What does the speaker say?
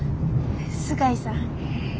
須貝さん。